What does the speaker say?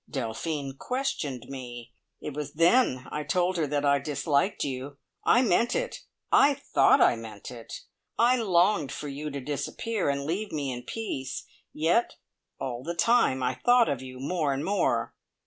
Delphine questioned me. It was then I told her that I disliked you. I meant it I thought I meant it! I longed for you to disappear and leave me in peace, yet all the time I thought of you more and more.